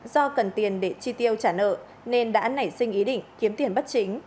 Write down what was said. do cần tiền để chi tiêu trả nợ nên đã nảy sinh ý định kiếm tiền bất chính